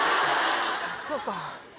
そうか。